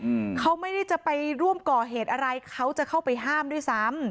อืมเขาไม่ได้จะไปร่วมก่อเหตุอะไรเขาจะเข้าไปห้ามด้วยซ้ำ